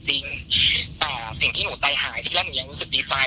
จริงแต่สิ่งที่หนูใจหายที่แรกหนูยังรู้สึกดีใจ